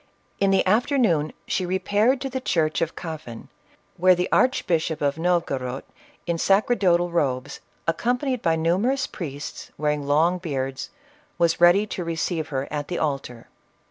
In the afternoon she repaired to the church of Kafan, where the Archbishop of No vogorod, in sacerdotal robes, accompanied by numerous priests, wearing long beards, was ready to receive her at the altar.